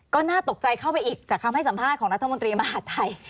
ก็น่าตกใจเข้าไปอีกจากคำให้สัมภาษณ์ของรัฐมนตรีมหาดไทย